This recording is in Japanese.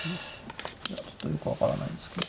いやちょっとよく分からないですけど。